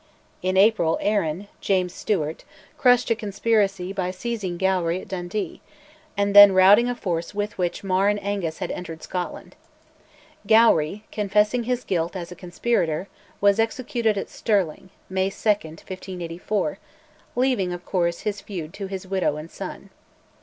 In April, Arran (James Stewart) crushed a conspiracy by seizing Gowrie at Dundee, and then routing a force with which Mar and Angus had entered Scotland. Gowrie, confessing his guilt as a conspirator, was executed at Stirling (May 2, 1584), leaving, of course, his feud to his widow and son.